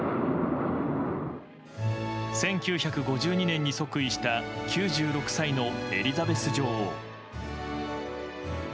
１９５２年に即位した９６歳のエリザベス女王。